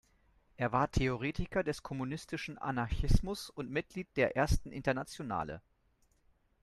Er war Theoretiker des kommunistischen Anarchismus und Mitglied der Ersten Internationale.